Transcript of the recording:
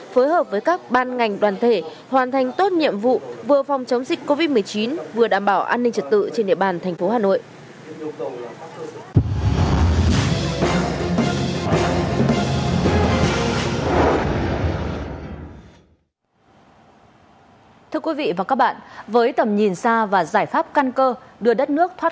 phối hợp với các ban ngành đoàn thể hoàn thành tốt nhiệm vụ vừa phòng chống dịch covid một mươi chín vừa đảm bảo an ninh trật tự trên địa bàn thành phố hà nội